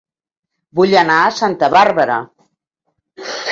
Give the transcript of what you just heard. Vull anar a Santa Bàrbara